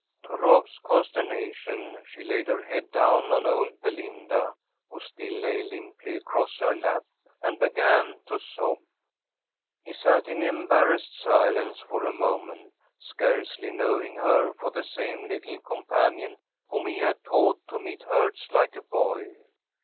To Rob's consternation she laid her head down on old Belinda, who still lay limply across her lap, and began to sob. He sat in embarrassed silence for a moment, scarcely knowing her for the same little companion whom he had taught to meet hurts like a boy.